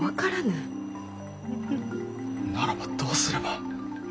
ならばどうすれば。